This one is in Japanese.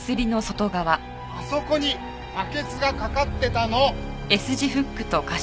あそこにバケツが掛かってたの！